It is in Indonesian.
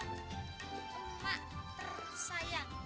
enak juga ya